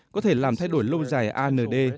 có thể làm thay đổi lâu dài and